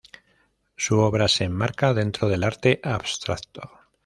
Su obra se enmarca dentro del arte abstracto.